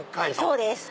そうです。